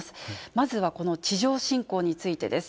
まずはこの地上侵攻についてです。